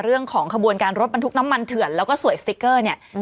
เรื่องของขบวนการรถบรรทุกน้ำมันเถื่อนแล้วก็สวยสติ๊กเกอร์เนี่ย